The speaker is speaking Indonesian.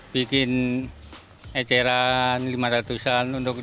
bikin eceran lima ratus an untuk di ecer ecerin di pasar jatinegara